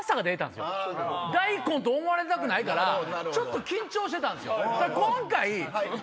大根と思われたくないからちょっと緊張してたんですよ。